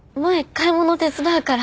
買い物手伝うから。